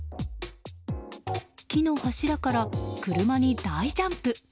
木の柱から車に大ジャンプ！